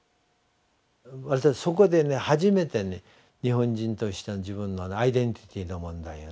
私そこで初めてね日本人としての自分のアイデンティティーの問題をね